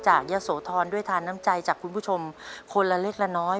ยะโสธรด้วยทานน้ำใจจากคุณผู้ชมคนละเล็กละน้อย